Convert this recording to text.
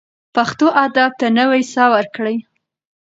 پښتو ادب ته نوې ساه ورکړئ.